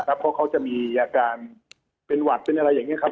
เพราะเขาจะมีอาการเป็นหวัดเป็นอะไรอย่างนี้ครับ